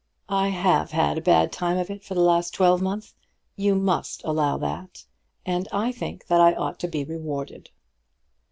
I have had a bad time of it for the last twelvemonth. You must allow that, and I think that I ought to be rewarded.